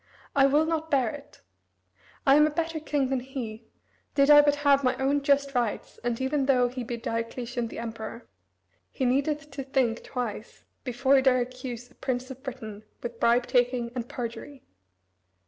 I will not bear it. I am a better king than he, did I but have my own just rights, and even though he be Diocletian the Emperor, he needeth to think twice before he dare accuse a prince of Britain with bribe taking and perjury."